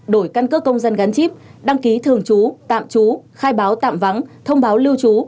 đổi căn cấp công dân gắn chip đăng ký thường chú tạm chú khai báo tạm vắng thông báo lưu chú